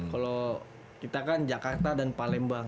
kalau kita kan jakarta dan palembang